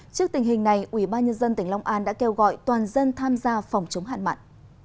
trước tình hình này ubnd tỉnh long an đã kêu gọi toàn dân tham gia phòng chống hạn mặn